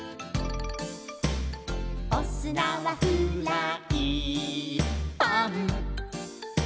「おすなはフライパン」